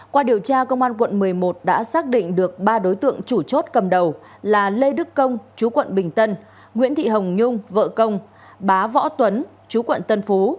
qua điều tra công an quận một mươi một đã xác định được ba đối tượng chủ chốt cầm đầu là lê đức công chú quận bình tân nguyễn thị hồng nhung vợ công bá võ tuấn chú quận tân phú